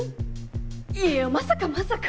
いやまさかまさか。